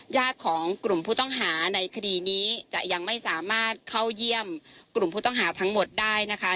ญาติของกลุ่มผู้ต้องหาในคดีนี้จะยังไม่สามารถเข้าเยี่ยมกลุ่มผู้ต้องหาทั้งหมดได้นะคะ